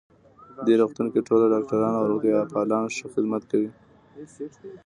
دې روغتون کې ټول ډاکټران او روغتیا پالان ښه خدمت کوی